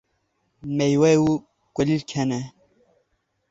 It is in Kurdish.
meywe û kulîlk hene.